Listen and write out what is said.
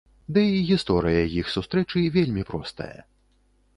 Ды і гісторыя іх сустрэчы вельмі простая.